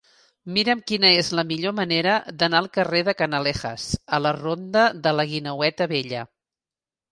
Mira'm quina és la millor manera d'anar del carrer de Canalejas a la ronda de la Guineueta Vella.